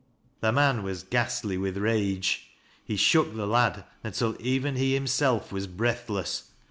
The man was ghastly with rage. He shook the lad until even he himself was breath ■ less.